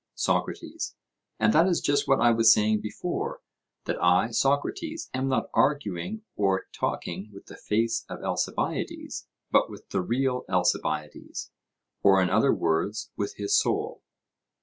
SOCRATES: And that is just what I was saying before that I, Socrates, am not arguing or talking with the face of Alcibiades, but with the real Alcibiades; or in other words, with his soul.